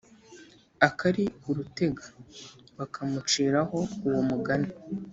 akari urutega, bakamuciraho uwo mugani